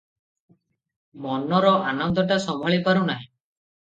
ମନର ଆନନ୍ଦଟା ସମ୍ଭାଳି ପାରୁ ନାହିଁ ।